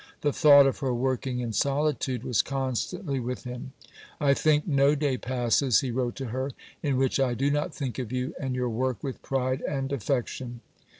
The thought of her working in solitude was constantly with him. "I think no day passes," he wrote to her, "in which I do not think of you and your work with pride and affection."